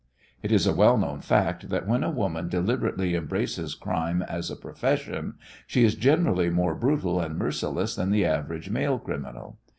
It is a well known fact that when a woman deliberately embraces crime as a profession she is generally more brutal and merciless than the average male criminal.